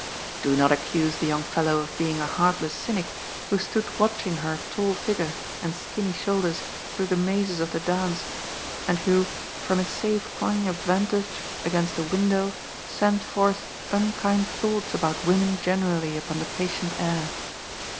Do not accuse the young fellow of being a heartless cynic who stood watching her tall figure and skinny shoul ders through the mazes of the dance, and who, from his safe A "STRUGGLE FOR LIFEIL 151 coign of yantage against a window, sent forth nnkind thoughts about women generally upon the patient air.